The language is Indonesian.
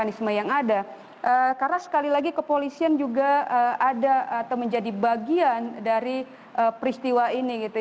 mekanisme yang ada karena sekali lagi kepolisian juga ada atau menjadi bagian dari peristiwa ini gitu